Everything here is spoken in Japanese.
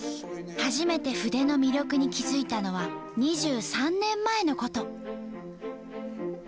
初めて筆の魅力に気付いたのは２３年前のこと。